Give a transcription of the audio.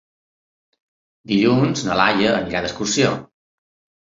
Dilluns na Laia anirà d'excursió.